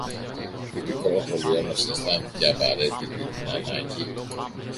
Η Πικρόχολη όμως αισθάνθηκε απαραίτητη την ανάγκη